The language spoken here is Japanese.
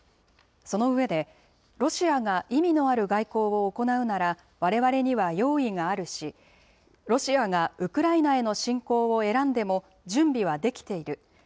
その上で、ロシアが意味のある外交を行うなら、われわれには用意があるし、ロシアがウクライナへの侵攻を選んでも、準備はできている。